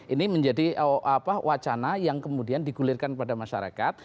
ini menjadi wacana yang kemudian digulirkan kepada masyarakat